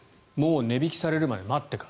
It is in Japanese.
値引きされるまで待って買う。